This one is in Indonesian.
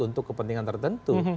untuk kepentingan tertentu